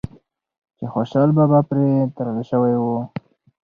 چې خوشحال بابا پرې تړل شوی و